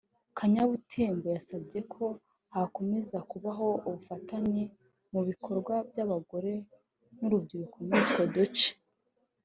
Kanyabutembo yasabye ko hakomeza kubaho ubufatanye mu bikorwa by’abagore n’urubyiruko muri utwo duce